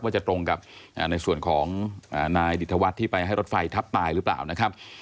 จะตรงกับในส่วนของนายดิตวัฒน์ที่ไปให้รถไฟทับตายหรือเปล่านะครับ